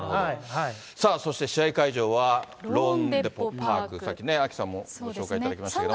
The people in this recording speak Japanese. さあ、そして試合会場はローンデポ・パーク、さっきアキさんもご紹介いただきましたけれども。